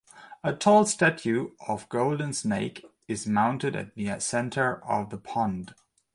A tall statue of golden snake is mounted at the center of the pond.